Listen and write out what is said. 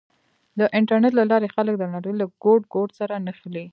د انټرنېټ له لارې خلک د نړۍ له ګوټ ګوټ سره نښلي.